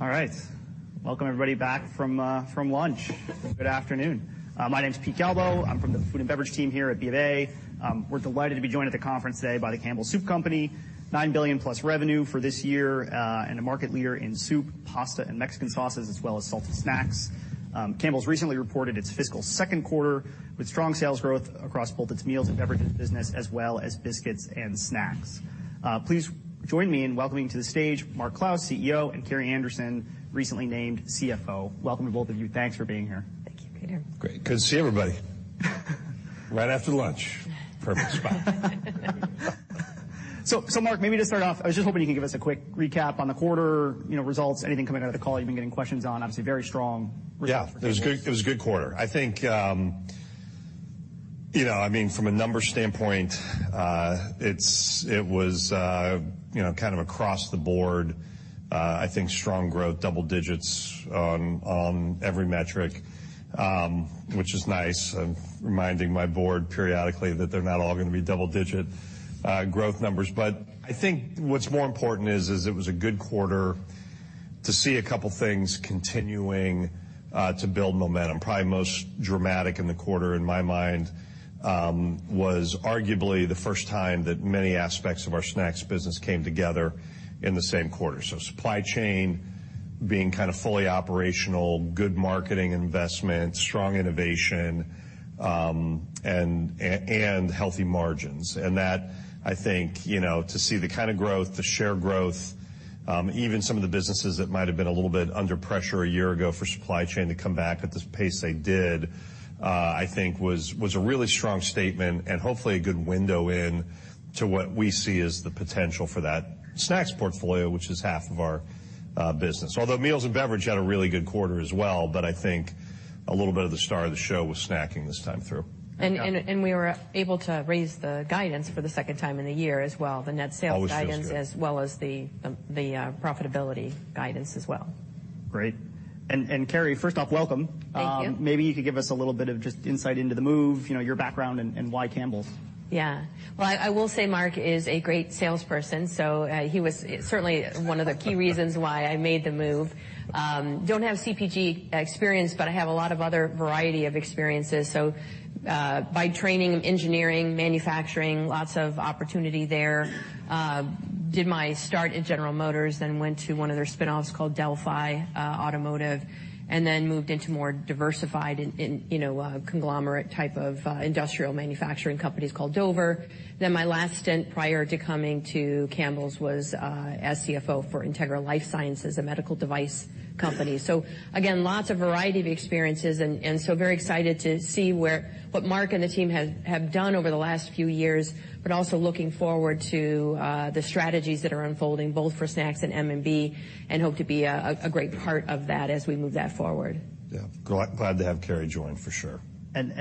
All right, welcome everybody back from lunch. Good afternoon. My name's Peter Galbo. I'm from the food and beverage team here at BofA. We're delighted to be joined at the conference today by The Campbell's Company, $9000000000+ revenue for this year, and a market leader in soup, pasta, and Mexican sauces, as well as salted snacks. Campbell's recently reported its fiscal second quarter with strong sales growth across both its meals and beverages business, as well as biscuits and snacks. Please join me in welcoming to the stage Mark Clouse, CEO, and Carrie Anderson, recently named CFO. Welcome to both of you. Thanks for being here. Thank you, Peter. Great. Good to see everybody. Right after lunch, perfect spot. Mark, maybe to start off, I was just hoping you could give us a quick recap on the quarter, you know, results, anything coming out of the call you've been getting questions on, obviously very strong. Yeah, it was a good quarter. I think, you know, I mean, from a numbers standpoint, it was, you know, kind of across the board, I think strong growth, double-digits on every metric, which is nice. I'm reminding my board periodically that they're not all gonna be double-digit growth numbers. I think what's more important is it was a good quarter to see a couple things continuing to build momentum. Probably most dramatic in the quarter, in my mind, was arguably the first time that many aspects of our Snacks business came together in the same quarter. Supply chain being kind of fully operational, good marketing investment, strong innovation, and healthy margins. That I think, you know, to see the kind of growth, the share growth, even some of the businesses that might have been a little bit under pressure a year ago for supply chain to come back at the pace they did, I think was a really strong statement and hopefully a good window in to what we see as the potential for that Snacks portfolio, which is half of our business. Although Meals & Beverages had a really good quarter as well, but I think a little bit of the star of the show was snacking this time through. We were able to raise the guidance for the second time in a year as well, the net sales guidance. Always feels good. As well as the profitability guidance as well. Great. Carrie, first off, welcome. Thank you. Maybe you could give us a little bit of just insight into the move, you know, your background and why Campbell's? I will say Mark is a great salesperson, he was certainly one of the key reasons why I made the move. Don't have CPG experience, I have a lot of other variety of experiences. By training, engineering, manufacturing, lots of opportunity there. Did my start at General Motors, went to one of their spinoffs called Delphi Automotive, moved into more diversified and, you know, conglomerate type of industrial manufacturing companies called Dover. My last stint prior to coming to Campbell's was as CFO for Integra LifeSciences, a medical device company. Again, lots of variety of experiences and very excited to see where, what Mark and the team have done over the last few years, but also looking forward to the strategies that are unfolding both for snacks and M&B and hope to be a great part of that as we move that forward. Yeah. Glad to have Carrie join, for sure.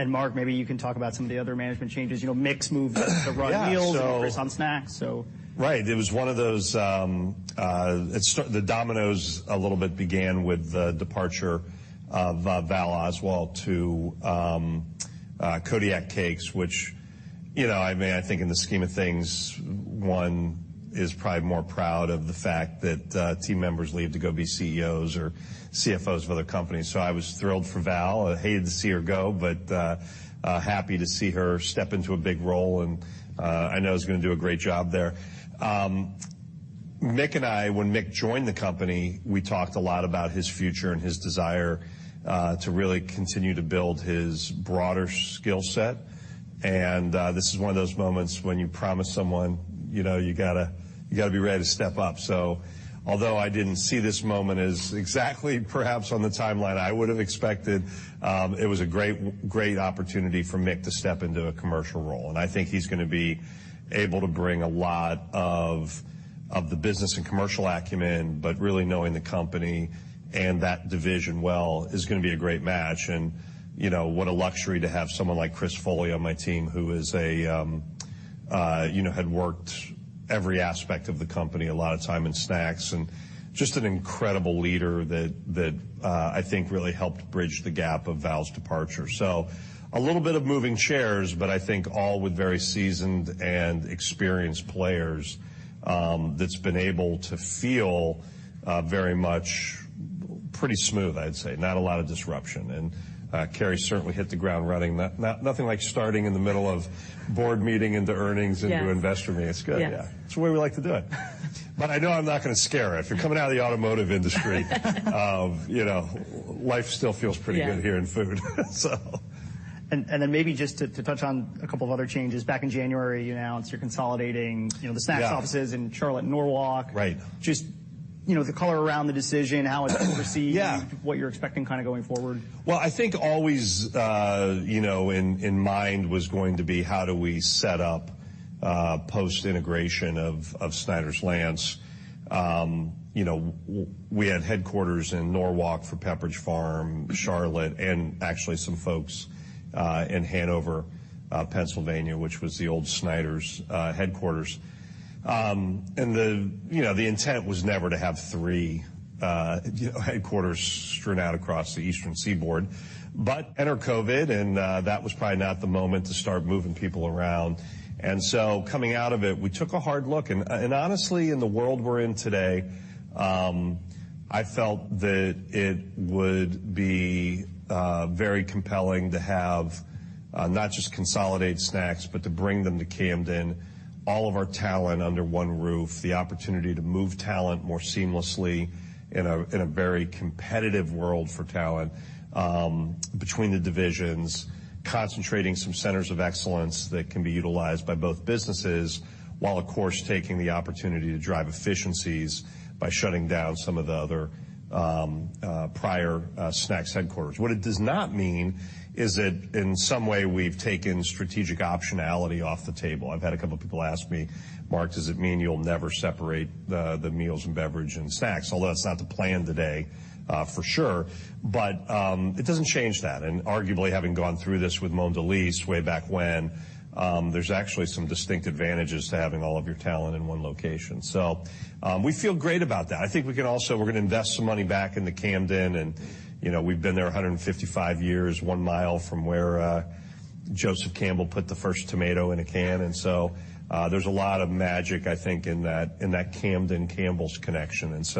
Mark, maybe you can talk about some of the other management changes. You know, Mick's move to run. Yeah. Chris on snacks. Right. It was one of those, The dominoes a little bit began with the departure of Val Oswalt to Kodiak Cakes, which, you know, I mean, I think in the scheme of things, one is probably more proud of the fact that team members leave to go be CEOs or CFOs of other companies. I was thrilled for Val. I hated to see her go, but happy to see her step into a big role, and I know is gonna do a great job there. Mick and I, when Mick joined the company, we talked a lot about his future and his desire to really continue to build his broader skill set. This is one of those moments when you promise someone, you know, you gotta be ready to step up. Although I didn't see this moment as exactly perhaps on the timeline I would've expected, it was a great opportunity for Mick to step into a commercial role. I think he's gonna be able to bring a lot of the business and commercial acumen, but really knowing the company and that division well is gonna be a great match. You know, what a luxury to have someone like Chris Foley on my team who is a, you know, had worked every aspect of the company, a lot of time in snacks, and just an incredible leader that, I think really helped bridge the gap of Val's departure. A little bit of moving chairs, but I think all with very seasoned and experienced players, that's been able to feel very much pretty smooth, I'd say. Not a lot of disruption. Carrie certainly hit the ground running. Nothing like starting in the middle of board meeting into earnings into investor meeting. Yeah. It's good. Yeah. It's the way we like to do it. I know I'm not gonna scare her. If you're coming out of the automotive industry, you know, life still feels pretty good here in food. Maybe just to touch on a couple of other changes, back in January, you announced you're consolidating, you know, the snacks offices in Charlotte and Norwalk. Right. Just, you know, the color around the decision, how it's been received. Yeah What you're expecting kinda going forward. Well, I think always, you know, in mind was going to be how do we set up post-integration of Snyder's-Lance. You know, we had headquarters in Norwalk for Pepperidge Farm, Charlotte, and actually some folks in Hanover, Pennsylvania, which was the old Snyder's headquarters. The, you know, the intent was never to have three, you know, headquarters strewn out across the Eastern Seaboard. Enter COVID, and that was probably not the moment to start moving people around. Coming out of it, we took a hard look. Honestly, in the world we're in today, I felt that it would be very compelling to have not just consolidate snacks, but to bring them to Camden, all of our talent under one roof, the opportunity to move talent more seamlessly in a very competitive world for talent, between the divisions, concentrating some centers of excellence that can be utilized by both businesses, while of course, taking the opportunity to drive efficiencies by shutting down some of the other prior snacks headquarters. What it does not mean is that in some way we've taken strategic optionality off the table. I've had a couple people ask me, "Mark, does it mean you'll never separate the Meals & Beverages and snacks?" That's not the plan today, for sure, but it doesn't change that. Arguably, having gone through this with Mondelēz way back when, there's actually some distinct advantages to having all of your talent in one location. We feel great about that. I think we're gonna invest some money back into Camden and, you know, we've been there 155 years, 1 mi from where Joseph Campbell put the first tomato in a can. There's a lot of magic, I think, in that, in that Camden-Campbell's connection. We're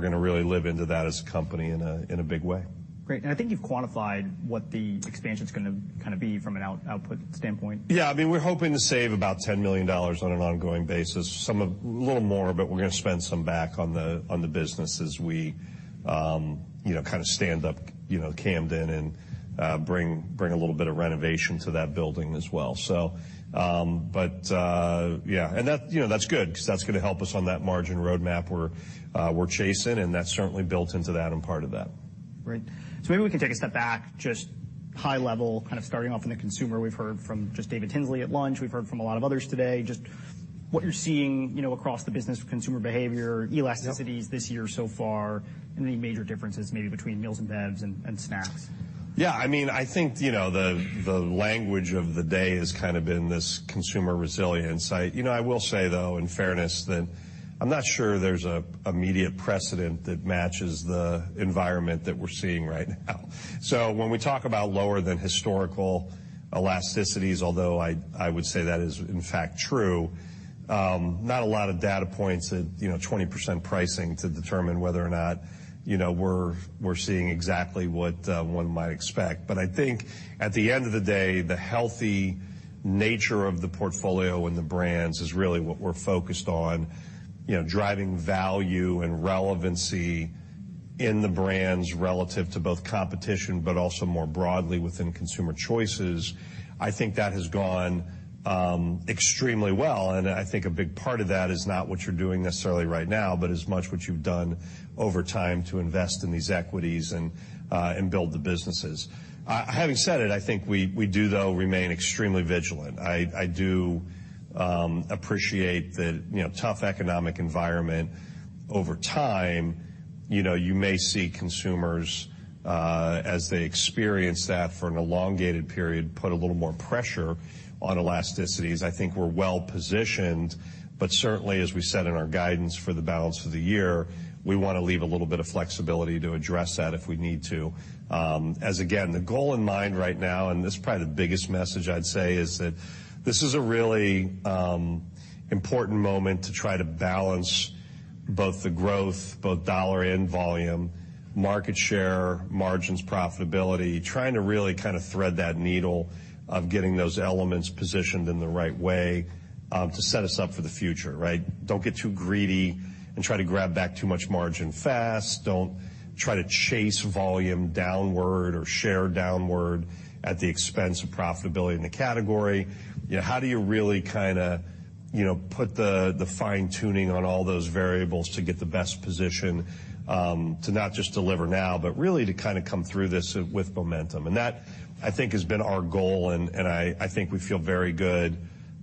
gonna really live into that as a company in a, in a big way. Great. I think you've quantified what the expansion's gonna kinda be from an out-output standpoint. I mean, we're hoping to save about $10 million on an ongoing basis. A little more, but we're gonna spend some back on the, on the business as we, you know, kinda stand up, you know, Camden and bring a little bit of renovation to that building as well. Yeah. That, you know, that's good 'cause that's gonna help us on that margin roadmap we're chasing, and that's certainly built into that and part of that. Great. Maybe we can take a step back, just high level, kind of starting off in the consumer. We've heard from just David Tinsley at lunch, we've heard from a lot of others today, just what you're seeing, you know, across the business with consumer behavior, elasticities this year so far, any major differences maybe between meals and bevs and snacks. Yeah, I mean, I think, you know, the language of the day has kinda been this consumer resilience. I, you know, I will say, though, in fairness, that I'm not sure there's a immediate precedent that matches the environment that we're seeing right now. When we talk about lower than historical elasticities, although I would say that is, in fact, true, not a lot of data points that, you know, 20% pricing to determine whether or not, you know, we're seeing exactly what one might expect. I think at the end of the day, the healthy nature of the portfolio and the brands is really what we're focused on. You know, driving value and relevancy in the brands relative to both competition, but also more broadly within consumer choices, I think that has gone extremely well. I think a big part of that is not what you're doing necessarily right now, but as much what you've done over time to invest in these equities and build the businesses. Having said it, I think we do, though, remain extremely vigilant. I do appreciate the, you know, tough economic environment. Over time, you know, you may see consumers, as they experience that for an elongated period, put a little more pressure on elasticities. I think we're well-positioned, but certainly, as we said in our guidance for the balance for the year, we want to leave a little bit of flexibility to address that if we need to. As again, the goal in mind right now, this is probably the biggest message I'd say, is that this is a really important moment to try to balance both the growth, both dollar and volume, market share, margins, profitability. Trying to really kind of thread that needle of getting those elements positioned in the right way, to set us up for the future, right? Don't get too greedy and try to grab back too much margin fast. Don't try to chase volume downward or share downward at the expense of profitability in the category. You know, how do you really kinda, you know, put the fine-tuning on all those variables to get the best position, to not just deliver now, but really to kinda come through this with momentum? That, I think, has been our goal, and I think we feel very good,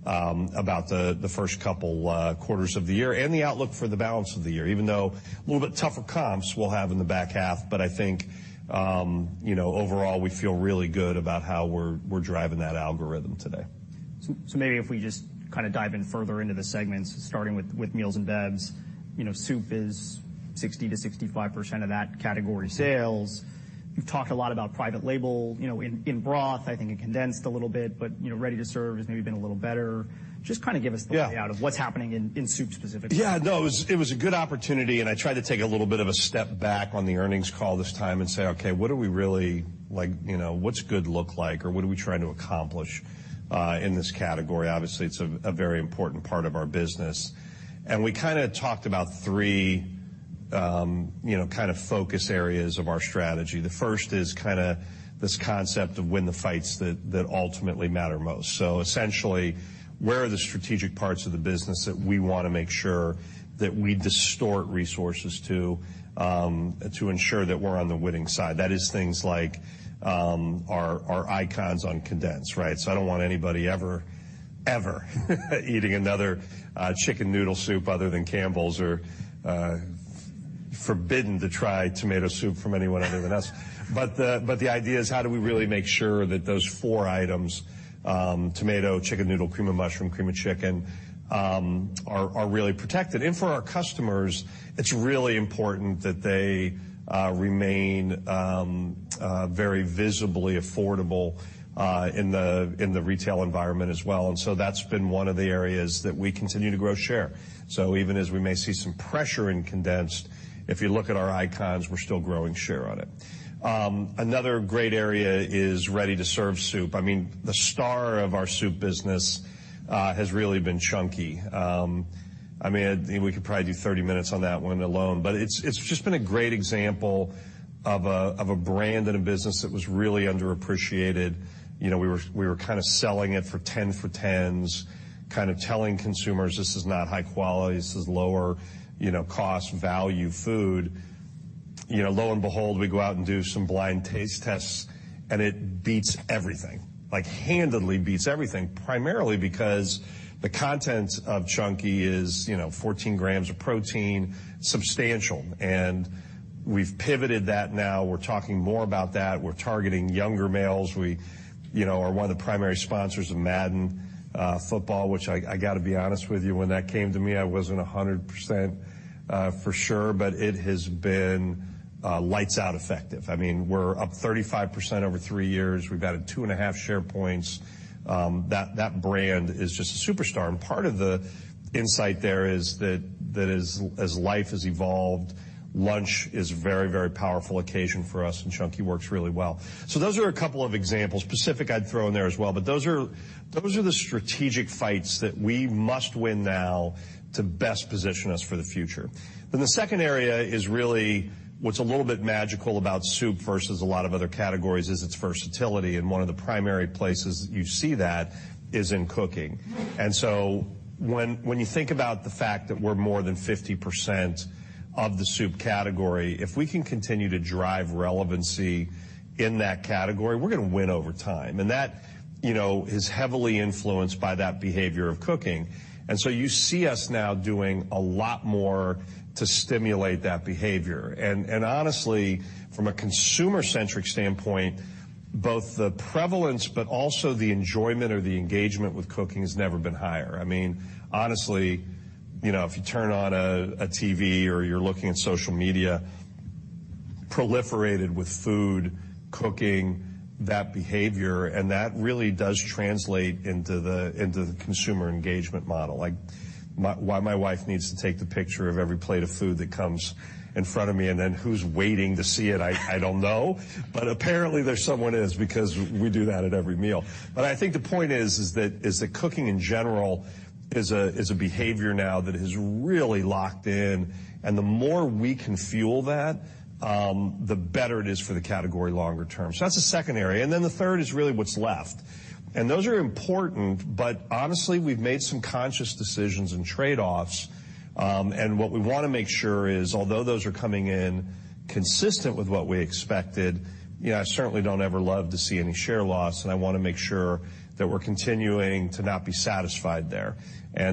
about the first couple quarters of the year and the outlook for the balance of the year, even though a little bit tougher comps we'll have in the back half. I think, you know, overall, we feel really good about how we're driving that algorithm today. Maybe if we just kinda dive in further into the segments, starting with meals and bevs. You know, soup is 60%-65% of that category sales. You've talked a lot about private label, you know, in broth, I think in condensed a little bit, but, you know, ready-to-serve has maybe been a little better. Just kinda give us the. Yeah Layout of what's happening in soup specifically. Yeah, no, it was a good opportunity, and I tried to take a little bit of a step back on the earnings call this time and say, "Okay, what do we really like, you know, what's good look like, or what are we trying to accomplish in this category?" Obviously, it's a very important part of our business. We kinda talked about three, you know, kind of focus areas of our strategy. The first is kinda this concept of win the fights that ultimately matter most. Essentially, where are the strategic parts of the business that we wanna make sure that we distort resources to ensure that we're on the winning side? That is things like our icons on condensed, right? I don't want anybody ever eating another chicken noodle soup other than Campbell's or Forbidden to try tomato soup from anyone other than us. The idea is how do we really make sure that those four items, tomato, chicken noodle, cream of mushroom, cream of chicken, are really protected. For our customers, it's really important that they remain very visibly affordable in the retail environment as well. Even as we may see some pressure in condensed, if you look at our icons, we're still growing share on it. Another great area is ready-to-serve soup. I mean, the star of our soup business has really been Chunky. I mean, we could probably do 30 minutes on that one alone, but it's just been a great example of a brand and a business that was really underappreciated. You know, we were kind of selling it for 10 for tens, kind of telling consumers this is not high quality. This is lower, you know, cost, value food. You know, lo and behold, we go out and do some blind taste tests, and it beats everything. Like handedly beats everything, primarily because the content of Chunky is, you know, 14 g of protein, substantial. We've pivoted that now. We're talking more about that. We're targeting younger males. We, you know, are one of the primary sponsors of Madden Football, which I gotta be honest with you, when that came to me, I wasn't 100% for sure, but it has been lights out effective. I mean, we're up 35% over three years. We've added 2.5 share points. That brand is just a superstar. Part of the insight there is that, as life has evolved, lunch is a very powerful occasion for us, and Chunky works really well. Those are a couple of examples. Pacific I'd throw in there as well. Those are the strategic fights that we must win now to best position us for the future. The second area is really what's a little bit magical about soup versus a lot of other categories is its versatility, and one of the primary places you see that is in cooking. When you think about the fact that we're more than 50% of the soup category, if we can continue to drive relevancy in that category, we're gonna win over time. That, you know, is heavily influenced by that behavior of cooking. You see us now doing a lot more to stimulate that behavior. Honestly, from a consumer-centric standpoint, both the prevalence but also the enjoyment or the engagement with cooking has never been higher. I mean, honestly, you know, if you turn on a TV or you're looking at social media, proliferated with food, cooking, that behavior, that really does translate into the consumer engagement model. Like why my wife needs to take the picture of every plate of food that comes in front of me and then who's waiting to see it, I don't know. Apparently, there someone is because we do that at every meal. I think the point is that cooking in general is a behavior now that has really locked in, the more we can fuel that, the better it is for the category longer term. That's the second area. The third is really what's left. Those are important, but honestly, we've made some conscious decisions and trade-offs, and what we wanna make sure is although those are coming in consistent with what we expected, you know, I certainly don't ever love to see any share loss, and I wanna make sure that we're continuing to not be satisfied there.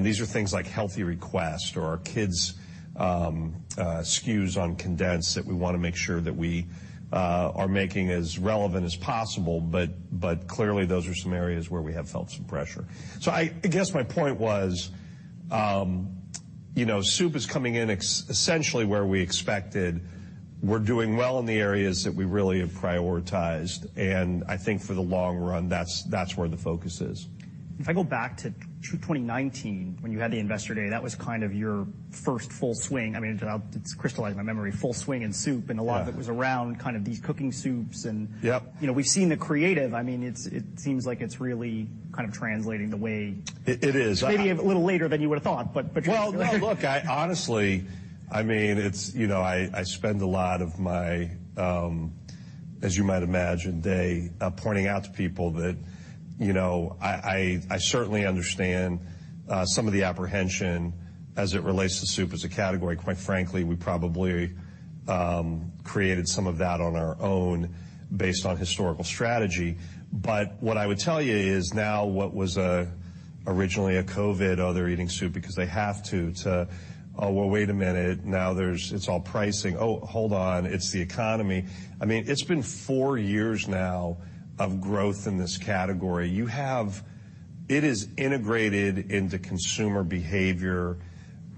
These are things like Healthy Request or our kids, SKUs on condensed that we wanna make sure that we are making as relevant as possible. Clearly, those are some areas where we have felt some pressure. I guess my point was, you know, soup is coming in essentially where we expected. We're doing well in the areas that we really have prioritized. I think for the long run, that's where the focus is. If I go back to 2019 when you had the Investor Day, that was kind of your first full swing. I mean, it's crystallized in my memory, full swing in soup, and a lot. Yeah Of it was around kind of these cooking soups. Yep You know, we've seen the creative. I mean, it seems like it's really kind of translating the way. It is. Maybe a little later than you would've thought, but. Well, no, look, I honestly, I mean, it's, you know, I spend a lot of my, as you might imagine, day, pointing out to people that, you know, I, I certainly understand, some of the apprehension as it relates to soup as a category. Quite frankly, we probably, created some of that on our own based on historical strategy. What I would tell you is now what was, originally a COVID, oh, they're eating soup because they have to, oh, well, wait a minute, now there's it's all pricing. Oh, hold on, it's the economy. I mean, it's been four years now of growth in this category. You have It is integrated into consumer behavior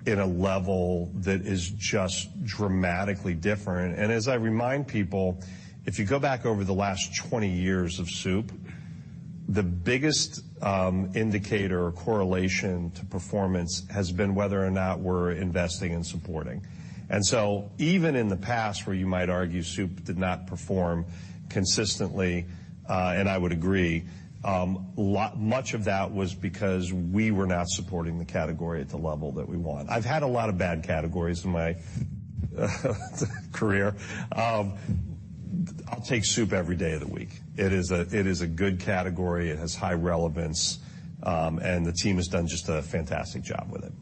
in a level that is just dramatically different. As I remind people, if you go back over the last 20 years of soup, the biggest indicator or correlation to performance has been whether or not we're investing and supporting. Even in the past, where you might argue soup did not perform consistently, and I would agree, much of that was because we were not supporting the category at the level that we want. I've had a lot of bad categories in my career. I'll take soup every day of the week. It is a, it is a good category. It has high relevance, and the team has done just a fantastic job with it.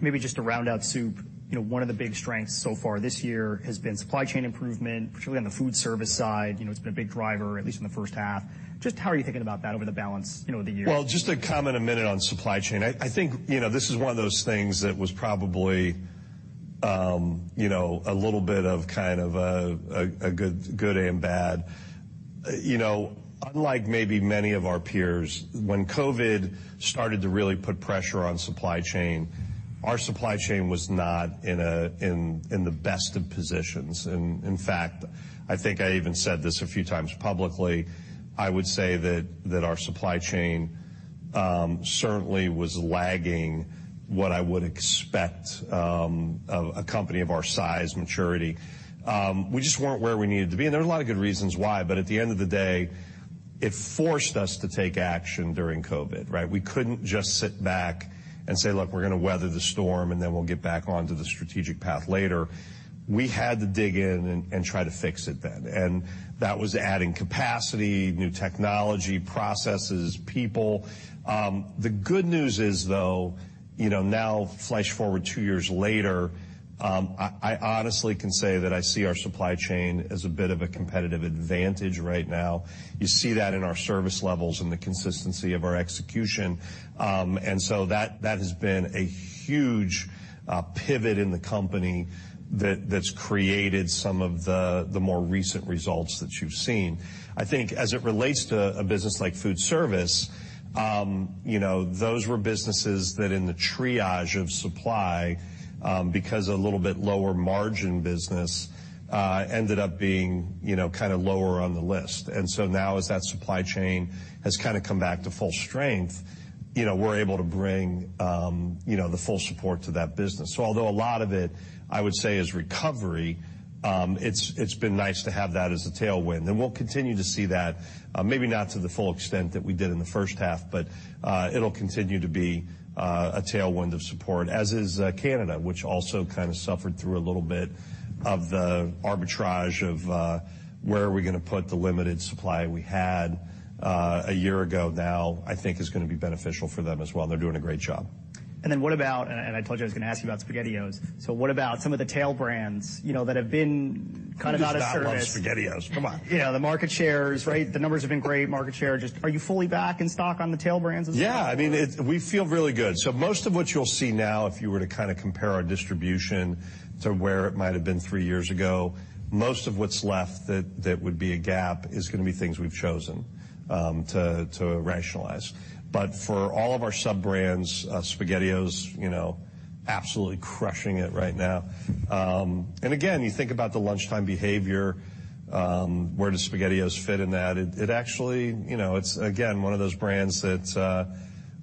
Maybe just to round out soup, you know, one of the big strengths so far this year has been supply chain improvement, particularly on the food service side. You know, it's been a big driver, at least in the first half. Just how are you thinking about that over the balance, you know, of the year? Just to comment a minute on supply chain. I think, you know, this is one of those things that was probably, you know, a little bit of kind of a good and bad. You know, unlike maybe many of our peers, when COVID started to really put pressure on supply chain, our supply chain was not in the best of positions. In fact, I think I even said this a few times publicly, I would say that our supply chain, certainly was lagging what I would expect of a company of our size, maturity. We just weren't where we needed to be, and there are a lot of good reasons why. At the end of the day, it forced us to take action during COVID, right? We couldn't just sit back and say, "Look, we're gonna weather the storm, and then we'll get back onto the strategic path later." We had to dig in and try to fix it then. That was adding capacity, new technology, processes, people. The good news is though, you know, now flash forward two years later, I honestly can say that I see our supply chain as a bit of a competitive advantage right now. You see that in our service levels and the consistency of our execution. That has been a huge pivot in the company that's created some of the more recent results that you've seen. I think as it relates to a business like food service, you know, those were businesses that in the triage of supply, because a little bit lower margin business, ended up being, you know, kind of lower on the list. As that supply chain has kind of come back to full strength, you know, we're able to bring, you know, the full support to that business. Although a lot of it, I would say is recovery, it's been nice to have that as a tailwind. We'll continue to see that, maybe not to the full extent that we did in the first half, but, it'll continue to be, a tailwind of support, as is, Canada, which also kind of suffered through a little bit of the arbitrage of, where are we gonna put the limited supply we had, a year ago now, I think is gonna be beneficial for them as well. They're doing a great job. I told you I was gonna ask you about SpaghettiOs. What about some of the tail brands, you know, that have been kind of out of service. Who does not love SpaghettiOs? Come on. You know, the market shares, right? The numbers have been great, market share just. Are you fully back in stock on the tail brands as well? I mean, we feel really good. Most of what you'll see now if you were to kind of compare our distribution to where it might've been three years ago, most of what's left that would be a gap is gonna be things we've chosen to rationalize. For all of our sub-brands, SpaghettiOs, you know, absolutely crushing it right now. Again, you think about the lunchtime behavior, where does SpaghettiOs fit in that? It actually, you know, it's again, one of those brands that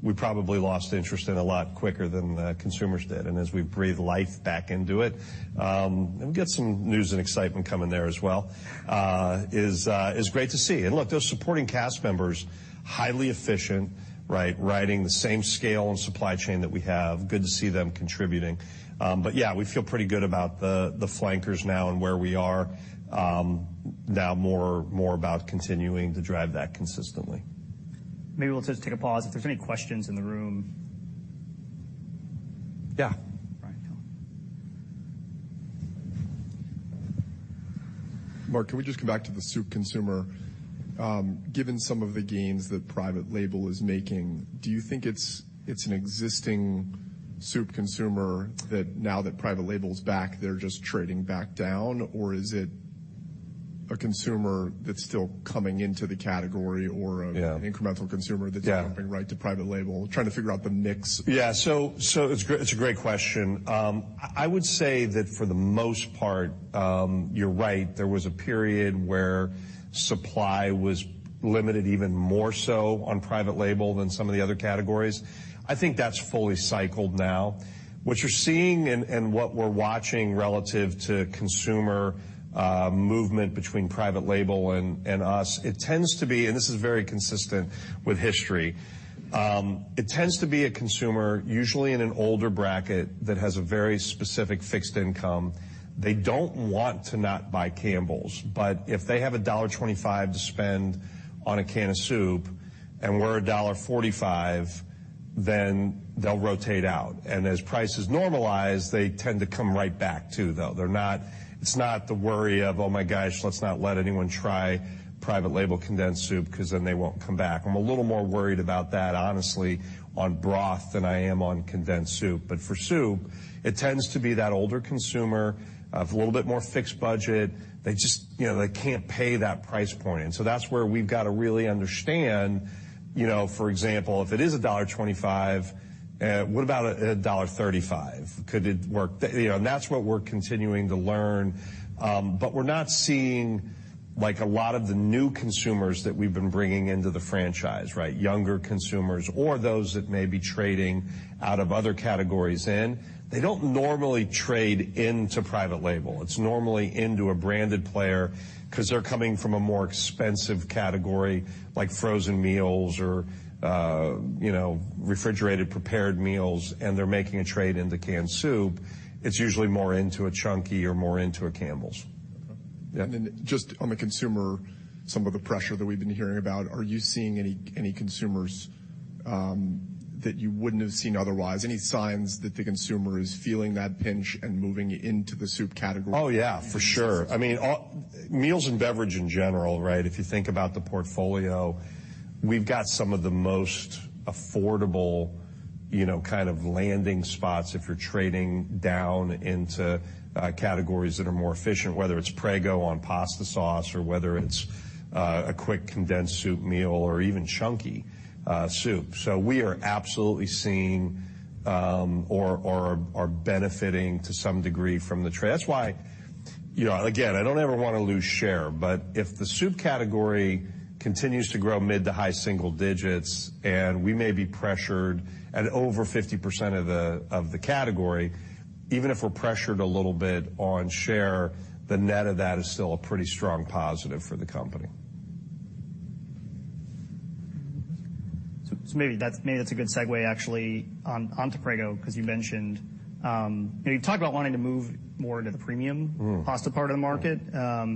we probably lost interest in a lot quicker than consumers did. As we breathe life back into it, we'll get some news and excitement coming there as well. is great to see. And look, those supporting cast members, highly efficient, right? Riding the same scale and supply chain that we have. Good to see them contributing. Yeah, we feel pretty good about the flankers now and where we are. Now more about continuing to drive that consistently. Maybe we'll just take a pause if there's any questions in the room. Yeah. Brian. Mark, can we just come back to the soup consumer? Given some of the gains that private label is making, do you think it's an existing soup consumer that now that private label's back, they're just trading back down, or is it a consumer that's still coming into the category? Yeah. An incremental consumer. Yeah. jumping right to private label? Trying to figure out the mix. Yeah. It's a great, it's a great question. I would say that for the most part, you're right. There was a period where supply was limited even more so on private label than some of the other categories. I think that's fully cycled now. What you're seeing and what we're watching relative to consumer movement between private label and us, it tends to be, and this is very consistent with history, it tends to be a consumer, usually in an older bracket that has a very specific fixed income. They don't want to not buy Campbell's. If they have $1.25 to spend on a can of soup and we're $1.45, then they'll rotate out. As prices normalize, they tend to come right back too, though. They're not. It's not the worry of, "Oh my gosh, let's not let anyone try private label condensed soup 'cause then they won't come back." I'm a little more worried about that honestly on broth than I am on condensed soup. For soup, it tends to be that older consumer of a little bit more fixed budget. They just, you know, they can't pay that price point. That's where we've gotta really understand, you know, for example, if it is $1.25, what about $1.35? Could it work? You know, that's what we're continuing to learn. We're not seeing like a lot of the new consumers that we've been bringing into the franchise, right? Younger consumers or those that may be trading out of other categories in, they don't normally trade into private label. It's normally into a branded player 'cause they're coming from a more expensive category like frozen meals or, you know, refrigerated prepared meals, and they're making a trade into canned soup. It's usually more into a Chunky or more into a Campbell's. Okay. Yeah. Just on the consumer, some of the pressure that we've been hearing about, are you seeing any consumers that you wouldn't have seen otherwise? Any signs that the consumer is feeling that pinch and moving into the soup category? Yeah, for sure. I mean, Meals and Beverages in general, right? If you think about the portfolio, we've got some of the most affordable, you know, kind of landing spots if you're trading down into categories that are more efficient, whether it's Prego on pasta sauce or whether it's a quick condensed soup meal or even Chunky soup. We are absolutely seeing or are benefiting to some degree from the trade. That's why, you know, again, I don't ever wanna lose share, if the soup category continues to grow mid to high single digits and we may be pressured at over 50% of the category, even if we're pressured a little bit on share, the net of that is still a pretty strong positive for the company. Maybe that's, maybe that's a good segue actually on to Prego, because you mentioned, you know, you've talked about wanting to move more into the premium. Mm. pasta part of the market.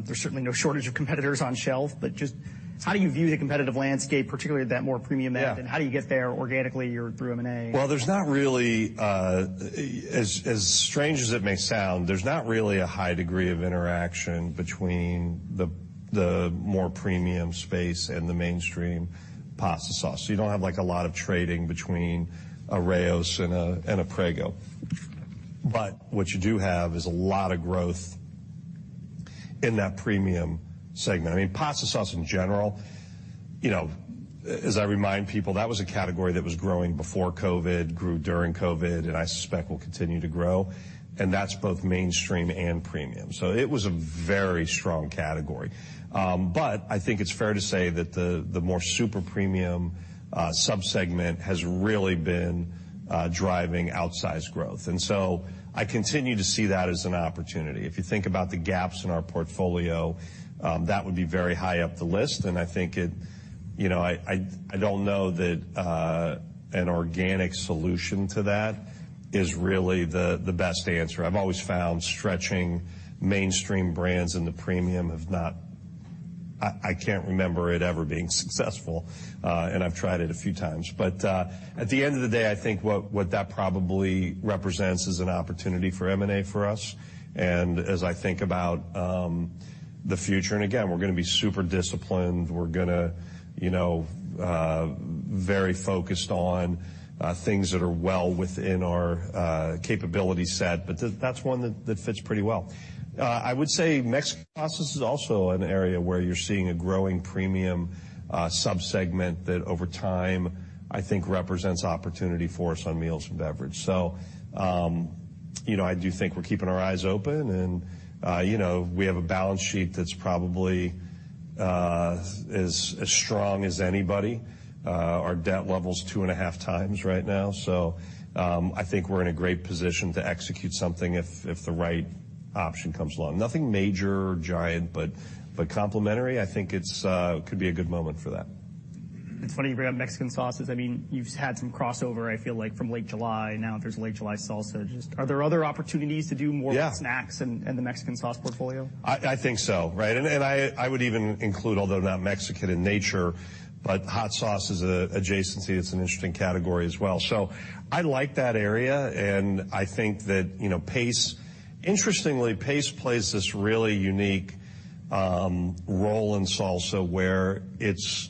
There's certainly no shortage of competitors on shelf. Just how do you view the competitive landscape, particularly at that more premium end? Yeah. How do you get there organically or through M&A? There's not really, as strange as it may sound, there's not really a high degree of interaction between the more premium space and the mainstream pasta sauce. You don't have, like, a lot of trading between a Rao's and a, and a Prego. What you do have is a lot of growth in that premium segment. I mean, pasta sauce in general, you know, as I remind people, that was a category that was growing before COVID, grew during COVID, and I suspect will continue to grow, and that's both mainstream and premium. It was a very strong category. I think it's fair to say that the more super premium, subsegment has really been driving outsized growth. I continue to see that as an opportunity. If you think about the gaps in our portfolio, that would be very high up the list, and I think it, you know, I don't know that an organic solution to that is really the best answer. I've always found stretching mainstream brands in the premium have not I can't remember it ever being successful, and I've tried it a few times. At the end of the day, I think what that probably represents is an opportunity for M&A for us. As I think about the future, and again, we're gonna be super disciplined, we're gonna, you know, very focused on things that are well within our capability set, but that's one that fits pretty well. I would say Mexican sauces is also an area where you're seeing a growing premium subsegment that over time I think represents opportunity for us on Meals & Beverages. You know, I do think we're keeping our eyes open and, you know, we have a balance sheet that's probably as strong as anybody. Our debt level's 2.5x right now, I think we're in a great position to execute something if the right option comes along. Nothing major or giant, but complementary, I think it's could be a good moment for that. It's funny you bring up Mexican sauces. I mean, you've had some crossover, I feel like, from Late July. Now there's Late July salsa. Just are there other opportunities to do more. Yeah. With snacks and the Mexican sauce portfolio? I think so, right? I would even include, although not Mexican in nature, but hot sauce is a adjacency. It's an interesting category as well. I like that area, and I think that, you know, Pace. Interestingly, Pace plays this really unique role in salsa, where it's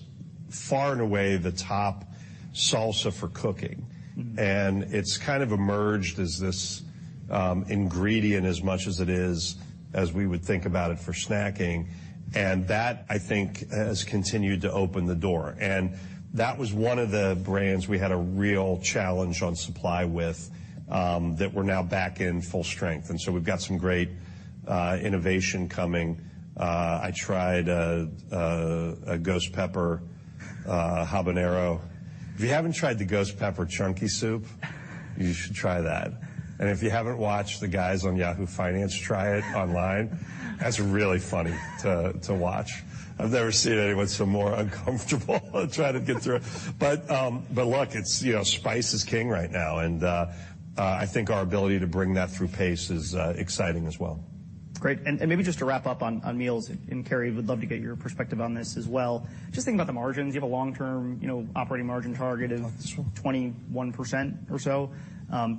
far and away the top salsa for cooking. Mm-hmm. It's kind of emerged as this ingredient as much as it is as we would think about it for snacking. That, I think, has continued to open the door. That was one of the brands we had a real challenge on supply with that we're now back in full strength. We've got some great innovation coming. I tried a Ghost Pepper habanero. If you haven't tried the Ghost Pepper Chunky Soup, you should try that. If you haven't watched the guys on Yahoo Finance try it online, that's really funny to watch. I've never seen anyone so more uncomfortable trying to get through it. Look, it's, you know, spice is king right now, and I think our ability to bring that through Pace is exciting as well. Great. And maybe just to wrap up on meals, and Carrie, would love to get your perspective on this as well. Just thinking about the margins, you have a long-term, you know, operating margin target of 21% or so.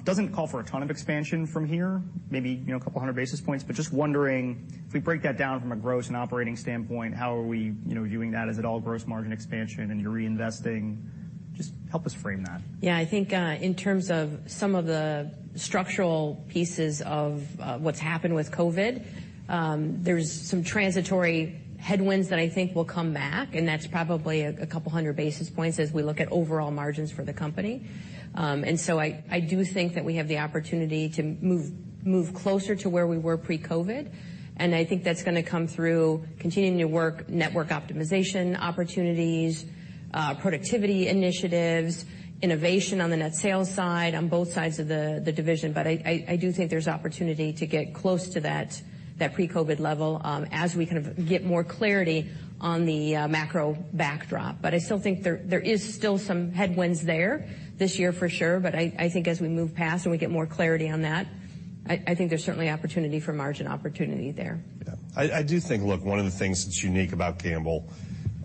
Doesn't call for a ton of expansion from here, maybe, you know, a couple 100 basis points. Just wondering, if we break that down from a gross and operating standpoint, how are we, you know, viewing that? Is it all gross margin expansion and you're reinvesting? Just help us frame that. Yeah. I think, in terms of some of the structural pieces of what's happened with COVID, there's some transitory headwinds that I think will come back, and that's probably a couple 100 basis points as we look at overall margins for the company. I do think that we have the opportunity to move closer to where we were pre-COVID, and I think that's gonna come through continuing to work network optimization opportunities, productivity initiatives, innovation on the net sales side, on both sides of the division. I do think there's opportunity to get close to that pre-COVID level, as we kind of get more clarity on the macro backdrop. I still think there is still some headwinds there this year for sure, but I think as we move past and we get more clarity on that, I think there's certainly opportunity for margin opportunity there. Yeah. I do think, look, one of the things that's unique about Campbell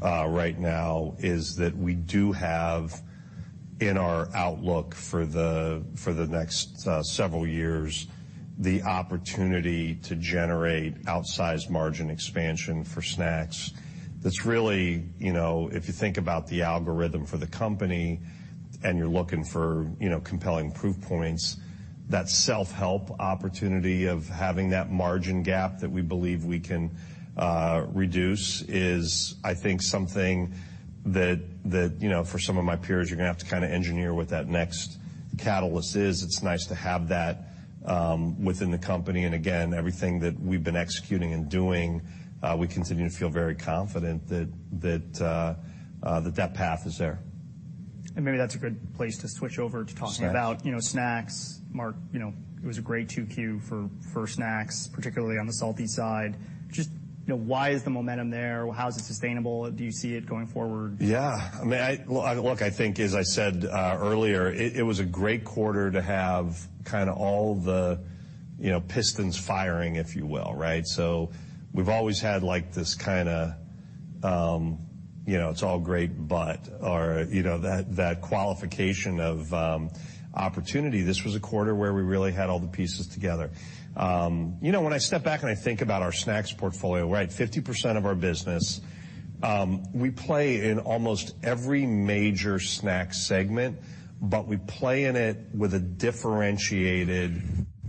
right now is that we do have in our outlook for the, for the next several years. The opportunity to generate outsized margin expansion for snacks, that's really, you know, if you think about the algorithm for the company and you're looking for, you know, compelling proof points, that self-help opportunity of having that margin gap that we believe we can reduce is I think something that, you know, for some of my peers, you're gonna have to kinda engineer what that next catalyst is. It's nice to have that within the company. Again, everything that we've been executing and doing, we continue to feel very confident that path is there. Maybe that's a good place to switch over to talking about. Snacks. You know, snacks. Mark, you know, it was a great two Q for snacks, particularly on the salty side. You know, why is the momentum there? How is it sustainable? Do you see it going forward? Yeah. I mean, Well, look, I think as I said earlier, it was a great quarter to have kinda all the, you know, pistons firing, if you will, right? We've always had, like, this kinda, you know, it's all great but or, you know, that qualification of opportunity. This was a quarter where we really had all the pieces together. You know, when I step back and I think about our snacks portfolio, right, 50% of our business, we play in almost every major snack segment, but we play in it with a differentiated,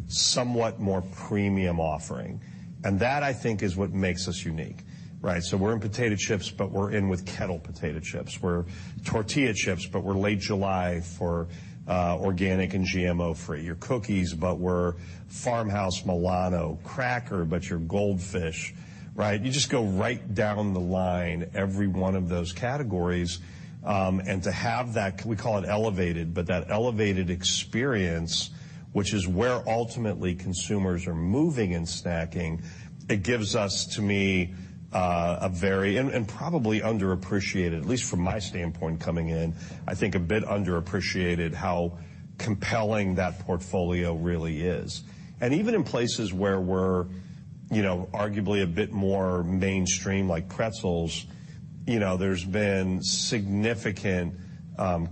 somewhat more premium offering. That I think is what makes us unique, right? We're in potato chips, but we're in with kettle potato chips. We're tortilla chips, but we're Late July for organic and GMO-free. You're cookies, but we're Farmhouse, Milano. Cracker, but you're Goldfish, right? You just go right down the line, every one of those categories, and to have that, we call it elevated, but that elevated experience, which is where ultimately consumers are moving in snacking, it gives us, to me, a very, and probably underappreciated, at least from my standpoint coming in, I think a bit underappreciated how compelling that portfolio really is. Even in places where we're, you know, arguably a bit more mainstream, like pretzels, you know, there's been significant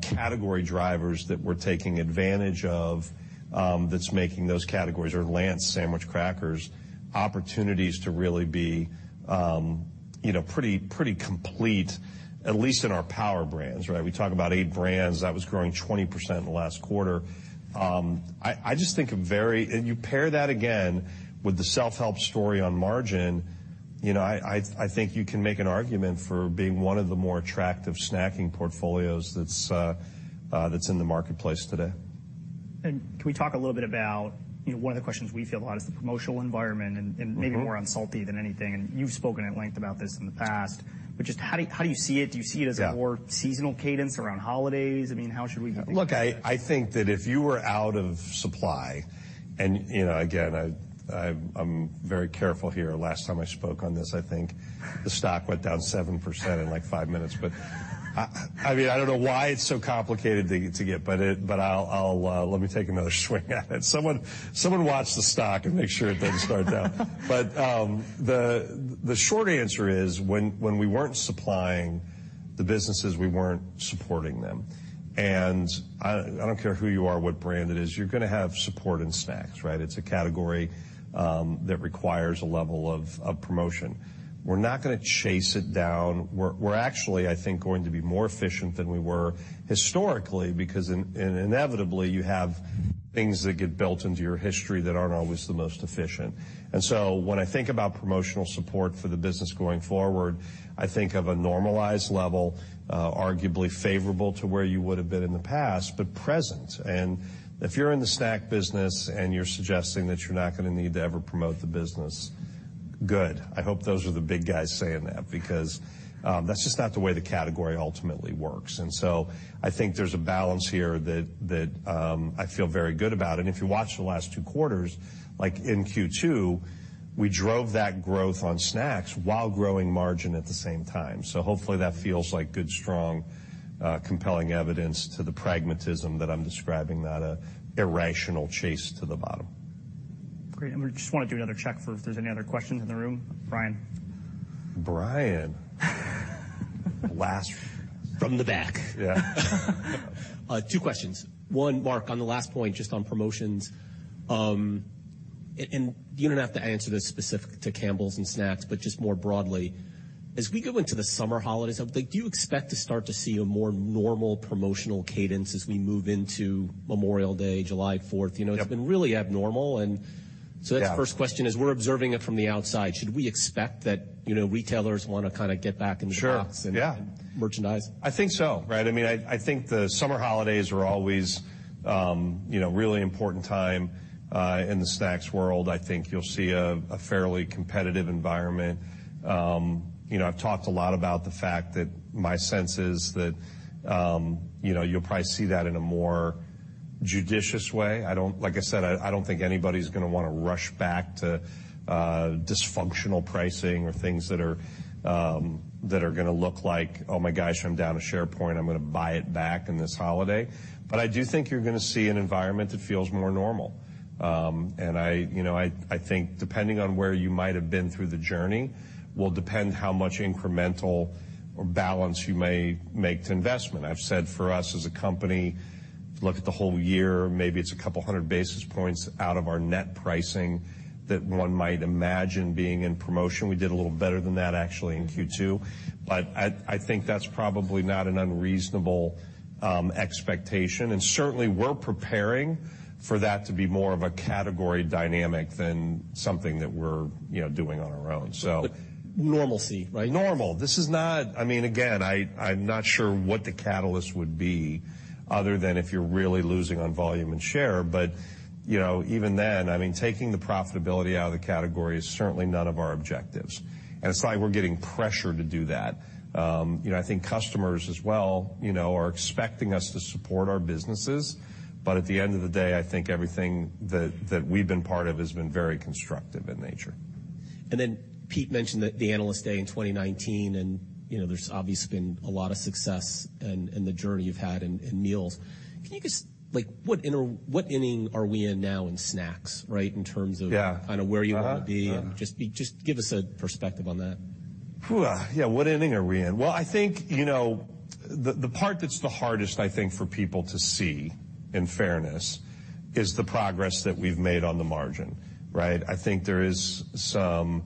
category drivers that we're taking advantage of, that's making those categories, or Lance sandwich crackers, opportunities to really be, you know, pretty complete, at least in our power brands, right? We talk about eight brands. That was growing 20% in the last quarter. I just think a very. You pair that again with the self-help story on margin, you know, I think you can make an argument for being one of the more attractive snacking portfolios that's in the marketplace today. Can we talk a little bit about, you know, one of the questions we field a lot is the promotional environment and maybe more on salty than anything. You've spoken at length about this in the past, but just how do you see it? Do you see it as a more seasonal cadence around holidays? I mean, how should we be thinking about that? Look, I think that if you were out of supply, and, you know, again, I'm very careful here. Last time I spoke on this, I think, the stock went down 7% in, like, five minutes. I mean, I don't know why it's so complicated to get, but I'll let me take another swing at it. Someone watch the stock and make sure it doesn't start down. The short answer is, when we weren't supplying the businesses, we weren't supporting them. I don't care who you are, what brand it is, you're gonna have support in snacks, right? It's a category that requires a level of promotion. We're not gonna chase it down. We're actually, I think, going to be more efficient than we were historically because inevitably, you have things that get built into your history that aren't always the most efficient. When I think about promotional support for the business going forward, I think of a normalized level, arguably favorable to where you would have been in the past, but present. If you're in the snack business and you're suggesting that you're not gonna need to ever promote the business, good. I hope those are the big guys saying that because that's just not the way the category ultimately works. So I think there's a balance here that I feel very good about. If you watch the last two quarters, like in Q2, we drove that growth on snacks while growing margin at the same time. Hopefully that feels like good, strong, compelling evidence to the pragmatism that I'm describing, not an irrational chase to the bottom. Great. We just wanna do another check for if there's any other questions in the room. Brian. Brian. Last. From the back. Yeah. Two questions. One, Mark, on the last point, just on promotions, and you don't have to answer this specific to Campbell's and snacks, but just more broadly. As we go into the summer holidays, do you expect to start to see a more normal promotional cadence as we move into Memorial Day, July 4th? Yep. It's been really abnormal. Yeah. That's the first question is we're observing it from the outside. Should we expect that, you know, retailers wanna kinda get back in the box? Sure, yeah. Merchandise? I think so, right? I mean, I think the summer holidays are always, you know, a really important time in the snacks world. I think you'll see a fairly competitive environment. You know, I've talked a lot about the fact that my sense is that, you know, you'll probably see that in a more judicious way. Like I said, I don't think anybody's gonna wanna rush back to dysfunctional pricing or things that are gonna look like, "Oh my gosh, I'm down a share point. I'm gonna buy it back in this holiday." I do think you're gonna see an environment that feels more normal. I, you know, I think depending on where you might have been through the journey will depend how much incremental or balance you may make to investment. I've said for us as a company. Look at the whole year, maybe it's a 200 basis points out of our net pricing that one might imagine being in promotion. We did a little better than that actually in Q2. I think that's probably not an unreasonable expectation. Certainly we're preparing for that to be more of a category dynamic than something that we're, you know, doing on our own. Normalcy, right? Normal. This is not. I mean, again, I'm not sure what the catalyst would be other than if you're really losing on volume and share. You know, even then, I mean, taking the profitability out of the category is certainly none of our objectives. It's like we're getting pressure to do that. You know, I think customers as well, you know, are expecting us to support our businesses. At the end of the day, I think everything that we've been part of has been very constructive in nature. Pete mentioned that the Analyst Day in 2019 and, you know, there's obviously been a lot of success in the journey you've had in meals. Can you just, like, what inning are we in now in snacks, right? In terms of. Yeah. kind of where you wanna be. Uh-huh. Yeah. Just give us a perspective on that. What inning are we in? Well, I think, you know, the part that's the hardest, I think, for people to see, in fairness, is the progress that we've made on the margin, right? I think there is some,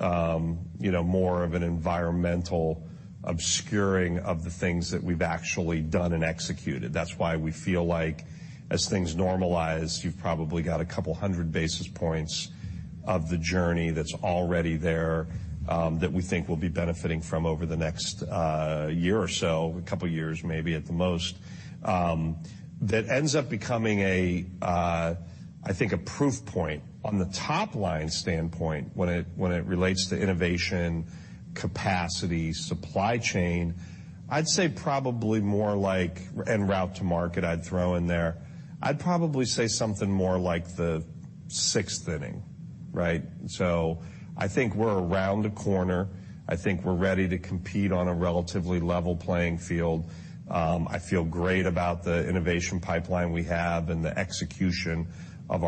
you know, more of an environmental obscuring of the things that we've actually done and executed. That's why we feel like, as things normalize, you've probably got 200 basis points of the journey that's already there, that we think we'll be benefiting from over the next year or so, two years maybe at the most, that ends up becoming a, I think, a proof point. On the top line standpoint, when it, when it relates to innovation, capacity, supply chain, I'd say probably more like, and route to market I'd throw in there, I'd probably say something more like the sixth inning, right? I think we're around the corner. I think we're ready to compete on a relatively level playing field. I feel great about the innovation pipeline we have and the execution of our business. I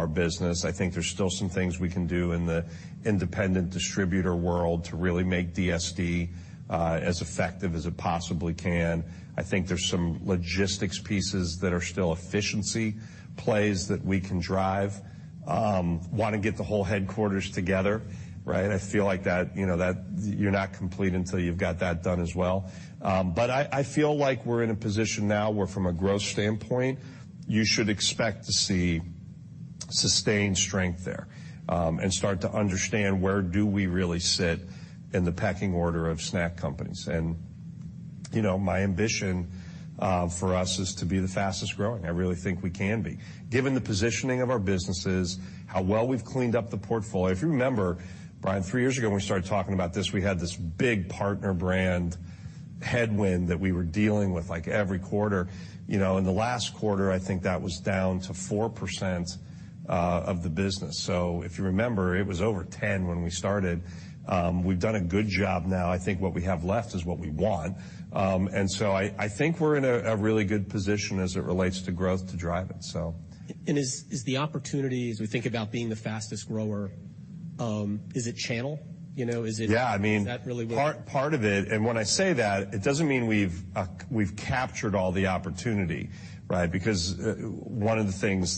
think there's still some things we can do in the independent distributor world to really make DSD as effective as it possibly can. I think there's some logistics pieces that are still efficiency plays that we can drive. Wanna get the whole headquarters together, right? I feel like that, you know, that you're not complete until you've got that done as well. I feel like we're in a position now where from a growth standpoint, you should expect to see sustained strength there, and start to understand where do we really sit in the pecking order of snack companies. You know, my ambition for us is to be the fastest growing. I really think we can be. Given the positioning of our businesses, how well we've cleaned up the portfolio. If you remember, Brian, three years ago when we started talking about this, we had this big partner brand headwind that we were dealing with, like, every quarter. You know, in the last quarter, I think that was down to 4% of the business. If you remember, it was over 10 when we started. We've done a good job now. I think what we have left is what we want. I think we're in a really good position as it relates to growth to drive it. Is, is the opportunity as we think about being the fastest grower, is it channel? You know, is it. Yeah. I mean. Is that really? Part of it, when I say that, it doesn't mean we've captured all the opportunity, right? One of the things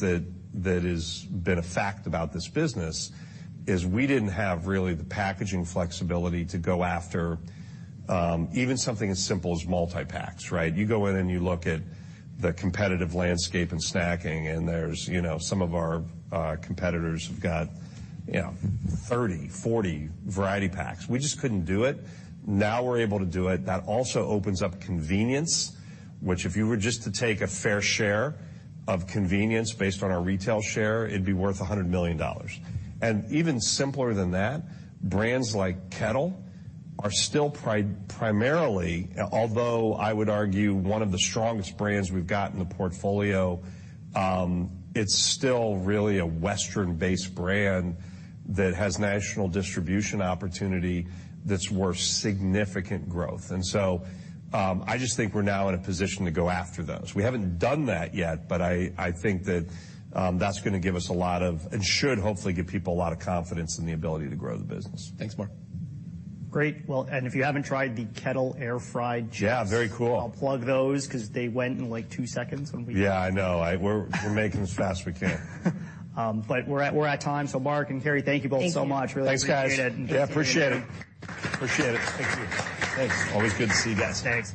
that has been a fact about this business is we didn't have really the packaging flexibility to go after, even something as simple as multi-packs, right? You go in and you look at the competitive landscape in snacking, and there's some of our competitors who've got 30, 40 variety packs. We just couldn't do it. Now we're able to do it. That also opens up convenience, which if you were just to take a fair share of convenience based on our retail share, it'd be worth $100 million. Even simpler than that, brands like Kettle are still primarily, although I would argue one of the strongest brands we've got in the portfolio, it's still really a Western-based brand that has national distribution opportunity that's worth significant growth. I just think we're now in a position to go after those. We haven't done that yet, but I think that's gonna give us a lot of, and should hopefully give people a lot of confidence in the ability to grow the business. Thanks, Mark. Great. Well, if you haven't tried the Kettle Air Fried Chips. Yeah, very cool. I'll plug those 'cause they went in, like, two seconds. Yeah, I know. We're making as fast as we can. We're at time. Mark and Carrie, thank you both so much. Thank you. Really appreciate it. Thanks, guys. Yeah, appreciate it. Appreciate it. Thank you. Thanks. Always good to see you guys. Thanks.